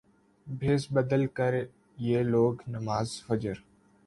بھیس بدل کریہ لوگ نماز فجر